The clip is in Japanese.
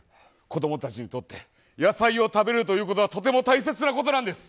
子供たちにとって野菜を食べるということはとても大切なことなんです。